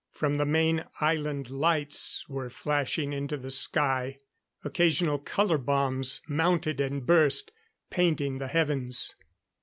From the main island lights were flashing into the sky; occasional color bombs mounted and burst, painting the heavens.